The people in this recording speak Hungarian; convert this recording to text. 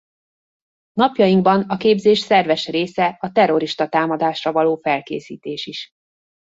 Napjainkban a képzés szerves része a terrorista támadásra való felkészítés is.